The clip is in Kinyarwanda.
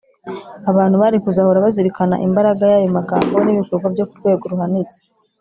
abantu bari kuzahora bazirikana imbaraga y’ayo magambo n’ibikorwa bye ku rwego ruhanitse